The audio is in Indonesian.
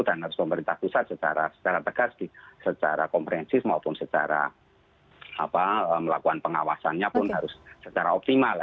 dan harus pemerintah pusat secara tegas secara komprehensif maupun secara melakukan pengawasannya pun harus secara optimal